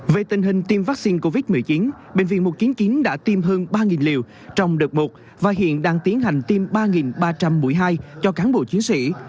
về tình hình tiêm vaccine covid một mươi chín bệnh viện mục kiến kiến đã tiêm hơn ba liều trong đợt một và hiện đang tiến hành tiêm ba ba trăm linh mũi hai cho cán bộ chiến sĩ